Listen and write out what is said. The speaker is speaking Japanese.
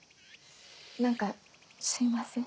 何かすいません。